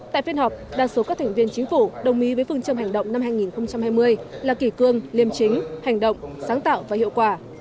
tại phiên họp đa số các thành viên chính phủ đồng ý với phương châm hành động năm hai nghìn hai mươi là kỷ cương liêm chính hành động sáng tạo và hiệu quả